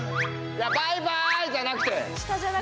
いやバイバーイじゃなくて。